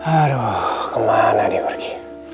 aduh kemana dia pergi